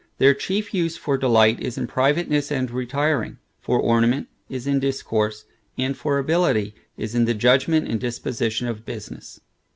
Their chief use for delight, is in privateness and retiring; for ornament, is in discourse; and for ability, is in the judgment, and disposition of business.